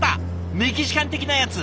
メキシカン的なやつ！